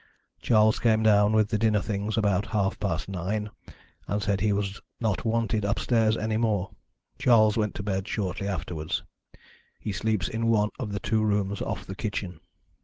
Charles came down with the dinner things about half past nine, and said he was not wanted upstairs any more. Charles went to bed shortly afterwards he sleeps in one of the two rooms off the kitchen.